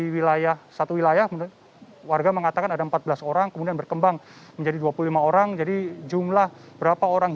wilayah satu wilayah warga mengatakan ada empat belas orang kemudian berkembang menjadi dua puluh lima orang jadi jumlah berapa orang